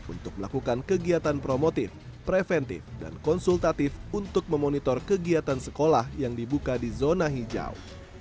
untuk melakukan kegiatan promotif preventif dan konsultatif untuk memonitor kegiatan sekolah yang dibuka di zona hijau